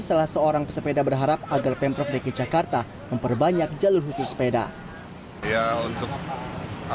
salah seorang pesepeda berharap agar pemprov dki jakarta memperbanyak jalur khusus sepeda